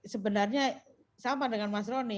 sebenarnya sama dengan mas roni